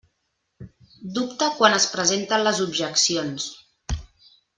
Dubta quan es presenten les objeccions.